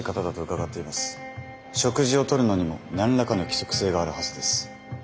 食事をとるのにも何らかの規則性があるはずです。